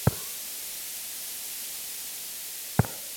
পুরাতন সংস্কারগুলি সব দূরীভূত হইবে।